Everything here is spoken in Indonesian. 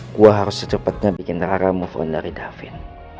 gua harus cepetnya bikin rara move on dari davin